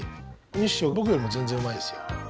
ニシキは僕よりも全然うまいですよ。